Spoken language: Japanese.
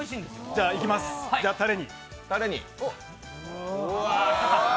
じゃあいきます、じゃあたれに。